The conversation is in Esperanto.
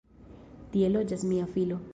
Tie loĝas mia filo.